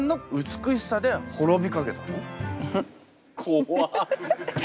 怖っ！